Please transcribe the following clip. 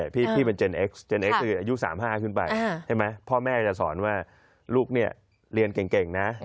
พ่อแม่จะสอนว่าลูกเนี่ยเรียนเก่งนะ